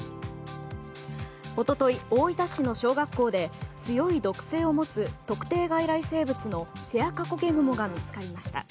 一昨日、大分市の小学校で強い毒性を持つ特定外来生物のセアカゴケグモが見つかりました。